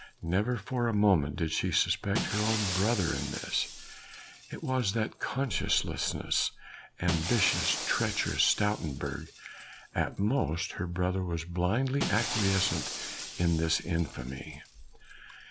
Never for a moment did she suspect her own brother in this. It was that conscienceless, ambitious, treacherous Stoutenburg! at most her brother was blindly acquiescent in this infamy.